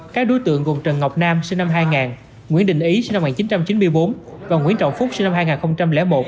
các đối tượng gồm trần ngọc nam sinh năm hai nghìn nguyễn đình ý sinh năm một nghìn chín trăm chín mươi bốn và nguyễn trọng phúc sinh năm hai nghìn một